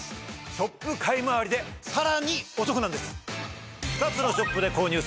ショップ買いまわりでさらにお得なんです！